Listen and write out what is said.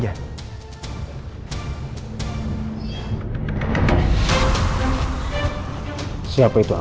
yang satunya mencoba mengikuti gue